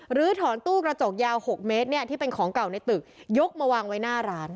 หรือถอนตู้กระจกยาว๖เมตรที่เป็นของเก่าในตึกยกมาวางไว้หน้าร้าน